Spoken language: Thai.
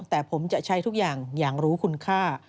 แต่ผมจะใช้ทุกอย่างอย่างรู้คุณค่า